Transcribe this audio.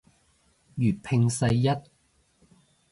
粵拼世一